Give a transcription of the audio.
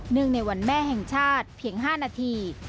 ในวันแม่แห่งชาติเพียง๕นาที